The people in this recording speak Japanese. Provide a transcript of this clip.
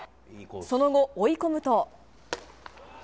その後、追い込むと。